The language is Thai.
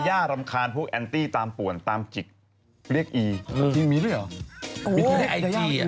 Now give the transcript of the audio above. ช่วงหน้าคุณผู้ชมลูกการณ์เดียว